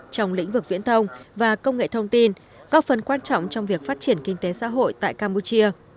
trong lĩnh vực viễn thông và công nghệ thông tin góp phần quan trọng trong việc phát triển kinh tế xã hội tại campuchia